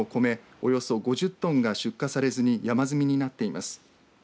およそ５０トンが出荷されずに山積みになっています。